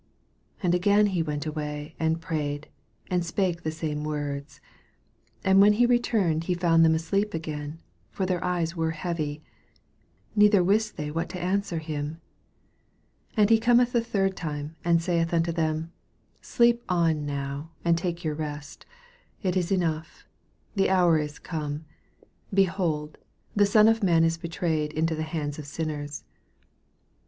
39 And again he went away, and prayed, and spake the same words. 40 And when he returned, he found them asleep again (for their eyes were heavy), neither wist they what to an swer him. 41 And he cometh the third time, and saith unto them, Sleep on now, and take your rest : it is enough, the hour is come ; behold, the Son of man is betrayed into the hands of sinners.